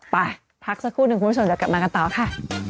ไปพักสักครู่หนึ่งคุณผู้ชมเดี๋ยวกลับมากันต่อค่ะ